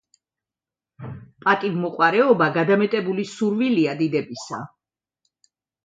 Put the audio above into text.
პატივმოყვარეობა გადამეტებული სურვილია დიდებისა.